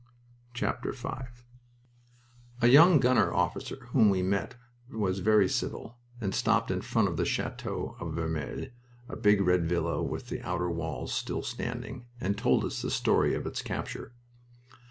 V A young gunner officer whom we met was very civil, and stopped in front of the chateau of Vermelles, a big red villa with the outer walls still standing, and told us the story of its capture.